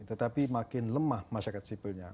tetapi makin lemah masyarakat sipilnya